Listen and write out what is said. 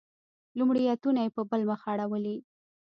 لومړیتونه یې په بل مخ اړولي.